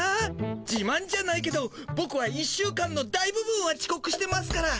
じまんじゃないけどボクは１週間の大部分はちこくしてますから。